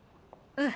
うん。